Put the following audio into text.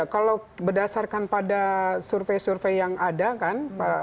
kalau berdasarkan pada survei survei yang ada kan